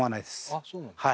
あっそうなんですか。